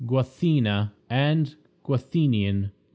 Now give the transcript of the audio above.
Guathena and Guathenion.